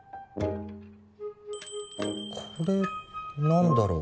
これ何だろう